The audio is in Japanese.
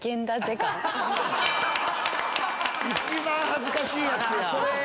一番恥ずかしいやつや！